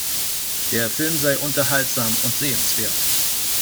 Der Film sei unterhaltsam und sehenswert.